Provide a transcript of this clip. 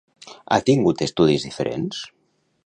Ha tingut estudis diferents?